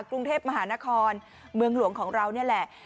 กรุงเทพมหานครเมืองหลวงของเรานี่แหละ